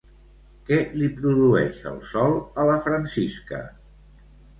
Què li produeix el sol a la Francisca?